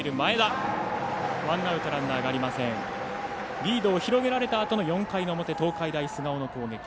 リードを広げられたあとの４回の表、東海大菅生の攻撃。